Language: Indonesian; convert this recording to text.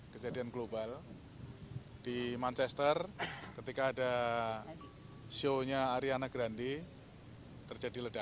kejadian global di manchester ketika ada show nya ariana grande terjadi ledakan